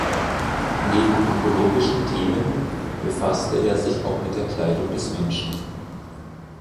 Neben ökologischen Themen befasste er sich auch mit der Kleidung des Menschen.